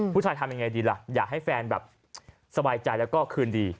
ทำยังไงดีล่ะอยากให้แฟนแบบสบายใจแล้วก็คืนดี